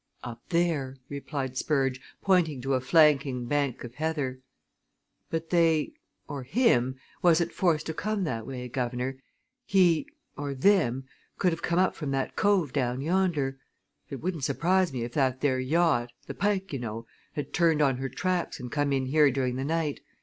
"Up there," replied Spurge, pointing to a flanking bank of heather. "But they or him wasn't forced to come that way, guv'nor. He or them could come up from that cove down yonder. It wouldn't surprise me if that there yacht the Pike, you know had turned on her tracks and come in here during the night.